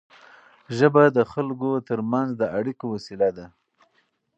ژبه د خلکو ترمنځ د اړیکو وسیله ده.